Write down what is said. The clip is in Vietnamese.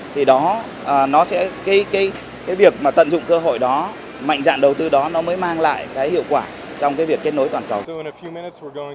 thì việc tận dụng cơ hội đó mạnh dạng đầu tư đó mới mang lại hiệu quả trong việc kết nối toàn cầu